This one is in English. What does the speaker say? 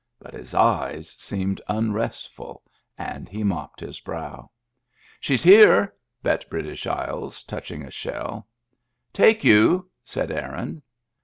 But his eyes seemed unrestful, and he mopped his brow. " She's there !" bet British Isles, touching a shell. " Take you," said Aaron.